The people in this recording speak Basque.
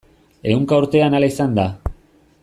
Ehunka urtean hala izan da.